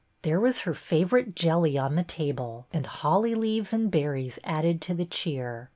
There was her favorite jelly on the table, and holly leaves and berries added to the cheer.